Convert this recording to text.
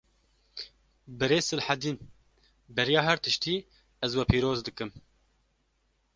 Birêz Silhedîn, beriya her tiştî ez we pîroz dikim